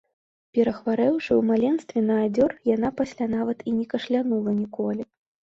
Перахварэўшы ў маленстве на адзёр, яна пасля нават і не кашлянула ніколі.